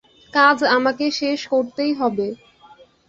কাজ আমাকে শেষ করতেই হবে।